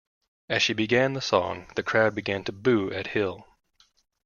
As she began the song, the crowd began to 'boo' at Hill.